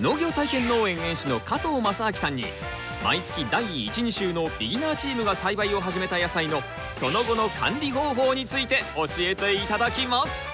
農業体験農園園主の加藤正明さんに毎月第１・２週のビギナーチームが栽培を始めた野菜のその後の管理方法について教えて頂きます！